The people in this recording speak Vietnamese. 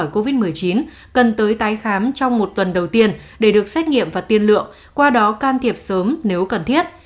bác sĩ hường nói rằng bệnh nhân covid một mươi chín cần tới tái khám trong một tuần đầu tiên để được xét nghiệm và tiên lượng qua đó can thiệp sớm nếu cần thiết